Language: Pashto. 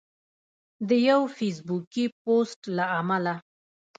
د یو فیسبوکي پوسټ له امله